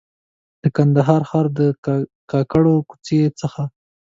د کندهار ښار د کاکړو کوڅې څخه.